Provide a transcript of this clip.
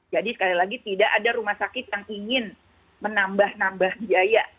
jadi sekali lagi tidak ada rumah sakit yang ingin menambah nambah biaya